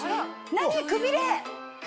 何くびれ！